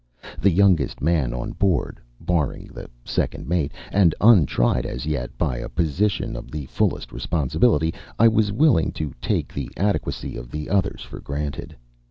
The youngest man on board (barring the second mate), and untried as yet by a position of the fullest responsibility, I was willing to take the adequacy of the others for granted.